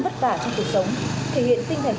vất vả trong cuộc sống thể hiện tinh thần